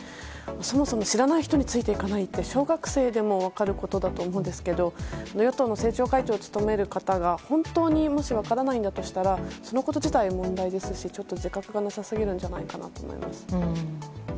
そもそも知らない人についていかないって小学生でも分かることだと思うんですけど与党の政調会長を務める方が本当に分からないとしたらそのこと自体が問題ですし自覚がなさすぎるんじゃないかなと思います。